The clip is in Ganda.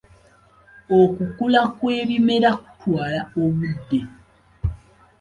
Okukula kw'ebimera kutwala obudde.